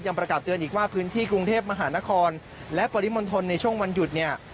ประกาศเตือนอีกว่าพื้นที่กรุงเทพมหานครและปริมณฑลในช่วงวันหยุดเนี่ย